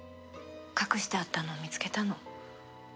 隠してあったのを見つけたの。